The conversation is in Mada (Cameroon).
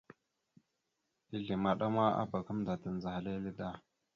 Ezle maɗa ma abak gamẹnda tandzəha lele da.